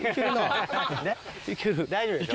ねっ大丈夫でしょ？